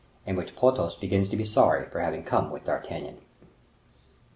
In which Porthos begins to be sorry for having come with D'Artagnan.